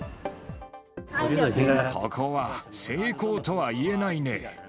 ここは成功とはいえないね。